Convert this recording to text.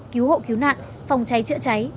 cứu hộ cứu nạn phòng cháy chữa cháy